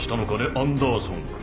アンダーソンくん。